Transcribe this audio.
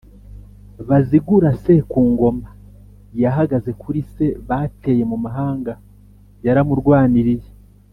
Bazigurase ku ngoma: yahagaze kuri se bateye mu mahanga. Yaramurwaniriye.